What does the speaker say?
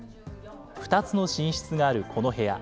２つの寝室があるこの部屋。